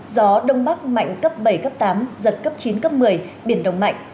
gió đông bắc mạnh cấp bảy tám giật cấp chín một mươi biển động mạnh